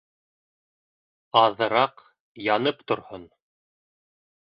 Аҙыраҡ янып торһон